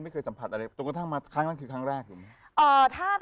ไม่เคยสัมผัสอะไรตกลงทางมาครั้งนั้นคือครั้งแรกอยู่ไหม